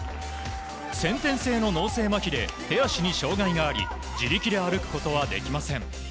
先天性の脳性まひで手足に障害があり自力で歩くことはできません。